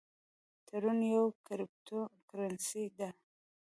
ټرون یوه کریپټو کرنسي ده